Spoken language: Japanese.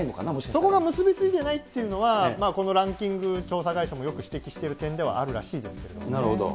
そこが結び付いてないっていうのが、このランキング調査会社もよく指摘している点ではあるらなるほど。